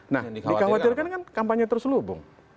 nah dikhawatirkan kan kampanye terselubung